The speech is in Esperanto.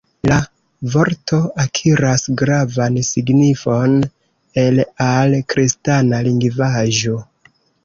La vorto akiras gravan signifon el al kristana lingvaĵo.